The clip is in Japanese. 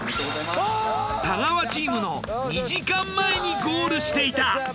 太川チームの２時間前にゴールしていた。